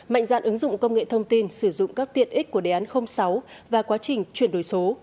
mạnh dạn ứng dụng công nghệ thông tin sử dụng các tiện ích của đề án sáu và quá trình chuyển đổi số